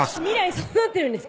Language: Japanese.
そうなってるんですか？